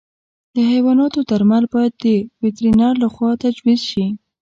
د حیواناتو درمل باید د وترنر له خوا تجویز شي.